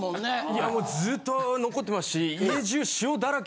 いやもうずっと残ってますし。